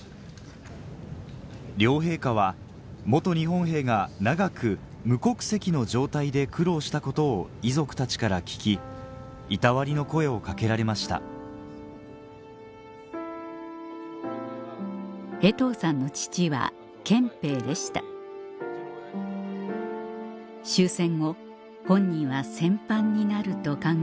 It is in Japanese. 両陛下は日本兵が長く無国籍の状態で苦労したことを遺族たちから聞きいたわりの声をかけられました衛藤さんの父は憲兵でした終戦後本人は戦犯になると考え